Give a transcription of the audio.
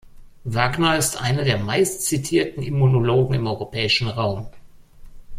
Wagner ist einer der meistzitierten Immunologen im europäischen Raum.